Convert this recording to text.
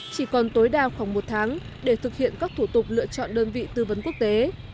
chỉ còn tối đa khoảng một tháng để thực hiện các thủ tục lựa chọn đơn vị tư vấn quốc tế